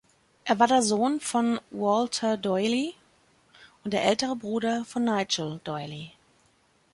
Er war der Sohn von Walter D’Oyly und der ältere Bruder von Nigel D’Oyly.